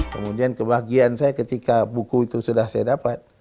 kemudian kebahagiaan saya ketika buku itu sudah saya dapat